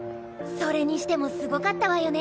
それにしてもすごかったわよね。